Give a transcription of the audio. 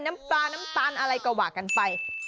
น้ำปลาน้ำตาลอะไรก็ว่ากันไป